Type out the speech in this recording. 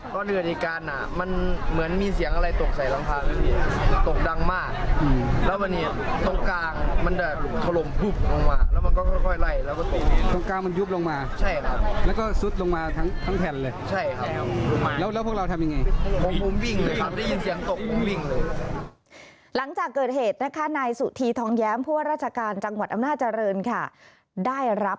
ก็เรื่องในการน่ะมันเหมือนมีเสียงอะไรตกใส่หลังคาตกดังมากแล้วมันเนี่ยตรงกลางมันจะถล่มลงมาแล้วมันก็ค่อยไล่แล้วก็ตกตรงกลางมันยุบลงมาใช่ครับแล้วก็สุดลงมาทั้งทั้งแผ่นเลยใช่ครับแล้วแล้วพวกเราทำยังไงผมวิ่งเลยครับได้ยินเสียงตกผมวิ่งเลยหลังจากเกิดเหตุนะคะนายสุธีทองแย้มพวกราชการจังหวัดอำนา